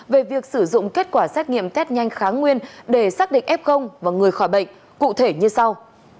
về việc sử dụng kết quả xét nghiệm test nhanh kháng nguyên để xác định f và người khỏi bệnh cụ thể như sau